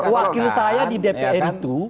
wakil saya di dpr itu